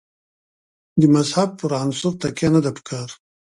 د مذهب پر عنصر تکیه نه ده په کار.